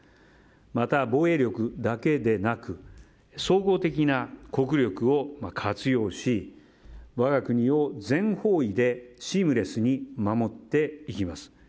また、防衛力だけでなく総合的な国力を活用し我が国を、全方位でシームレスに守っていきます。